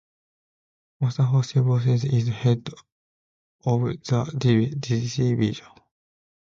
Mosharraf Hossain Bhuiyan is head of the division.